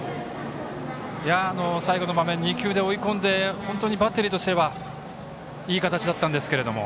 最後の場面、２球で追い込んで本当にバッテリーとしてはいい形だったんですけれども。